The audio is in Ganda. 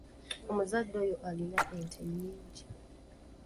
Omuzadde oyo alina ente nnyingi.